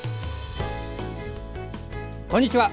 こんにちは。